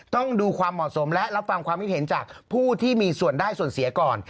ต้องดูความเหมาะสมและรับฟังความคิดเห็นจากผู้ที่มีส่วนได้ส่วนเสียก่อน